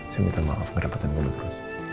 saya minta maaf kerempatan dulu